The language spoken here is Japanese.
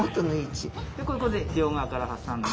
でここで両側から挟んで。